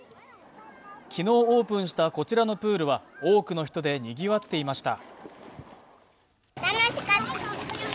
昨日オープンした、こちらのプールは多くの人でにぎわっていました。